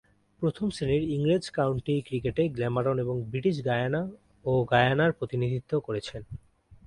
প্রথম-শ্রেণীর ইংরেজ কাউন্টি ক্রিকেটে গ্ল্যামারগন এবং ব্রিটিশ গায়ানা ও গায়ানার প্রতিনিধিত্ব করেছেন।